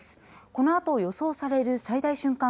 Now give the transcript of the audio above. このあと予想される最大瞬間